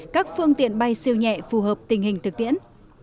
các phương tiện bay siêu nhẹ phù hợp tình hình thực tiễn